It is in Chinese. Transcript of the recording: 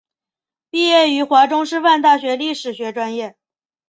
毕业于华中师范大学历史学专业。